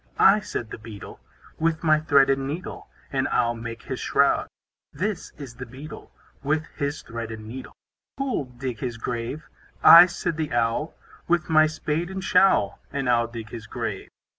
I, said the Beetle, With my thread and needle, And I'll make his shroud. This is the Beetle, With his thread and needle. Who'll dig his grave? I, said the Owl, With my spade and showl, And I'll dig his grave.